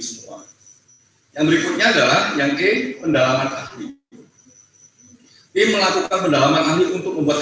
semua yang berikutnya adalah yang ke pendalaman ahli tim melakukan pendalaman ahli untuk membuat